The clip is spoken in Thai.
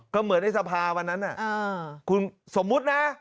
ก็เหมือนในสภาวันนั้นคุณสมมุตินะ